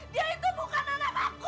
dia itu bukan anak aku